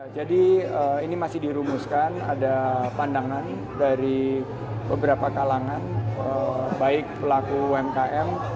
jadi ini masih dirumuskan ada pandangan dari beberapa kalangan baik pelaku umkm